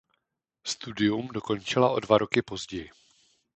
Studium dokončila o dva roky později.